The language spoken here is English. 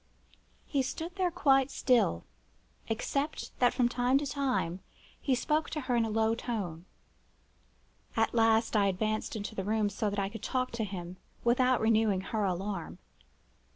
"He stood there quite still, except that from time to time he spoke to her in a low tone. At last I advanced into the room, so that I could talk to him, without renewing her alarm.